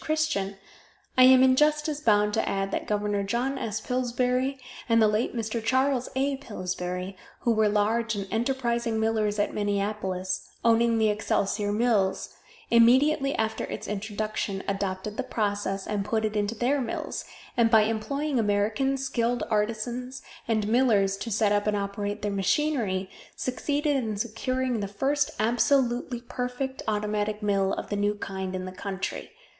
Christian, I am in justice bound to add that Gov. John S. Pillsbury and the late Mr. Charles A. Pillsbury, who were large and enterprising millers at Minneapolis, owning the Excelsior Mills, immediately after its introduction adopted the process, and put it into their mills, and by employing American skilled artizans and millers to set up and operate their machinery, succeeded in securing the first absolutely perfect automatic mill of the new kind in the country.